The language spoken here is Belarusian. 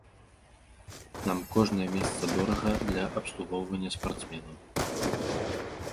Нам кожнае месца дорага для абслугоўвання спартсменаў.